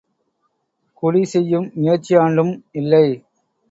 குடி செய்யும் முயற்சியாண்டும் இல்லை!